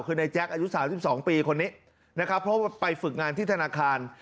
คือในแจ๊คอายุ๓๒ปีคนนี้นะครับเพราะว่าไปฝึกงานที่ธนาคาร